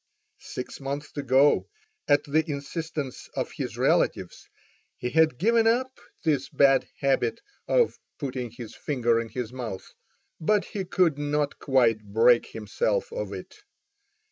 Six months ago, at the instance of his relatives, he had given up this bad habit of putting his finger in his mouth, but he could not quite break himself of it.